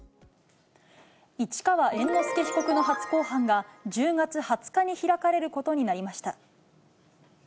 市川猿之助被告の初公判が、１０月２０日に開かれることになりました。